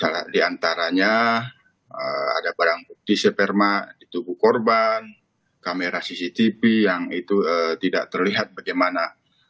di antaranya ada barang bukti sperma di tubuh korban kamera cctv yang itu tidak terlihat bagaimana